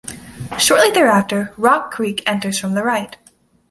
Shortly thereafter, Rock Creek enters from the right.